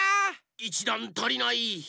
１だんたりない。